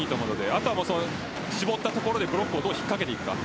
あとは絞ったところでブロックをどうひっかけていくか。